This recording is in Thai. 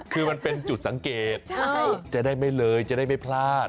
คือมันเป็นจุดสังเกตจะได้ไม่เลยจะได้ไม่พลาด